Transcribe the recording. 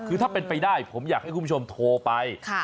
คือถ้าเป็นไปได้ผมอยากให้คุณผู้ชมโทรไป